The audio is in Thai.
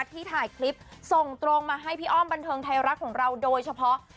ที่ถ่ายคลิปส่งตรงมาให้พี่อ้อมบันเทิงไทยรัฐของเราโดยเฉพาะ